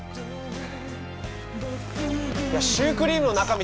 いやシュークリームの中身